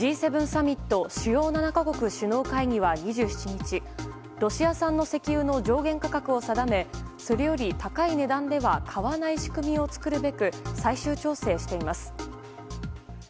Ｇ７サミット・主要７か国首脳会議は２７日ロシア産の石油の上限価格を定めそれより高い値段では買わない仕組みを作るべく最終調整しています。